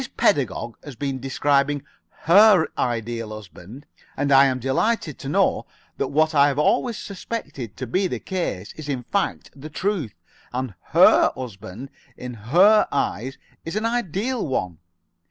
Pedagog has been describing her Ideal Husband, and I am delighted to know that what I have always suspected to be the case is in fact the truth: that her husband in her eyes is an ideal one.